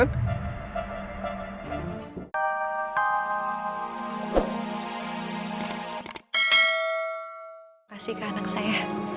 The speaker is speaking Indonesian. makasih ke anak saya